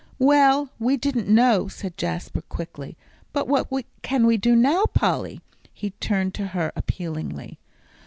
"Well, we didn't know," said Jasper, quickly. "But what can we do now, Polly?" he turned to her appealingly.